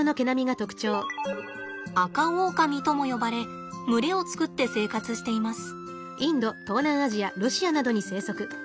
アカオオカミとも呼ばれ群れを作って生活しています。